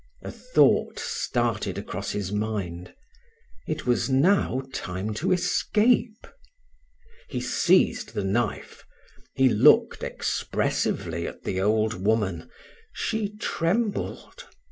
A thought started across his mind it was now time to escape. He seized the knife he looked expressively at the old woman she trembled.